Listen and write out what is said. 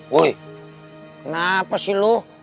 woy kenapa sih lo